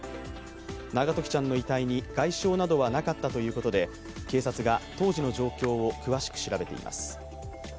永時ちゃんの遺体に外傷などはなかったということで警察が当時の状況を詳しく調べています。